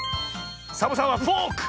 サボさんはフォーク！